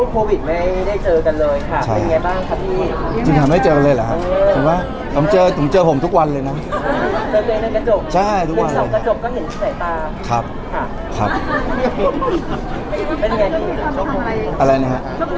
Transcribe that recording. พี่สันช่วงโควิดไม่ได้เจอกันเลยค่ะเป็นยังไงบ้างค่ะพี่